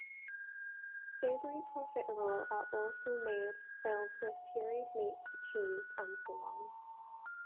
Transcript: Savory profiterole are also made, filled with pureed meats, cheese, and so on.